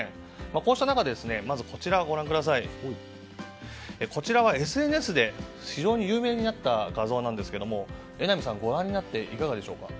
こうした中でこちらはＳＮＳで非常に有名になった画像ですが榎並さん、ご覧になっていかがでしょうか。